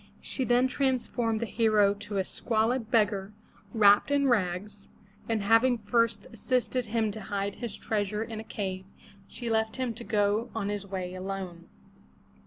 She then transformed the hero to a squalid beggar, wrapped in rags, and having first assisted him to hide his treasure in a cave, she left him to go on his way alone.